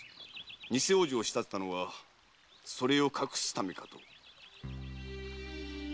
偽王女を仕立てたのはそれを隠すためかと。